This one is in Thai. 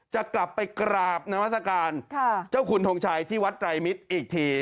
จะกลับไปกราบนามัศกาลเจ้าคุณทงชัยที่วัดไตรมิตรอีกที